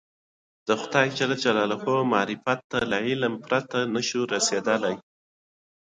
د خدای معرفت ته له علم پرته نه شو رسېدلی.